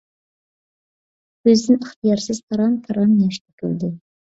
كۆزىدىن ئىختىيارسىز تارام - تارام ياش تۆكۈلدى.